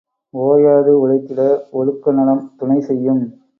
ஓயாது உழைத்திட ஒழுக்க நலம் துணை செய்யும்.